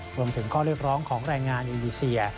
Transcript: รวมถึงข้อเรียกร้องของแรงงานอินโดนีเซีย